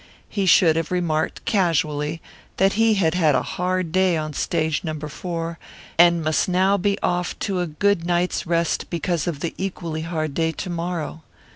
He should have remarked casually that he had had a hard day on Stage Number Four, and must now be off to a good night's rest because of the equally hard day to morrow.